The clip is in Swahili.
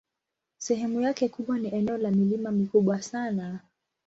Sehemu yake kubwa ni eneo la milima mikubwa sana.